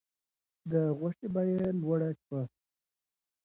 د غوښې بیه لوړه شوه.